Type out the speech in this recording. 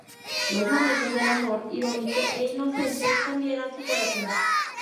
Los momentos del amor irónico e inocente cambiaran su corazón.